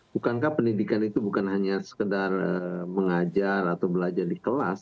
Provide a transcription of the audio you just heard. bukankah pendidikan itu bukan hanya sekedar mengajar atau belajar di kelas